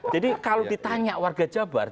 jadi kalau ditanya warga jabar